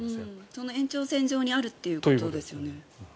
その延長線上にあるということですよね。